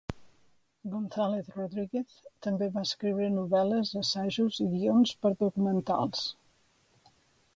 González Rodríguez també va escriure novel·les, assajos i guions per a documentals.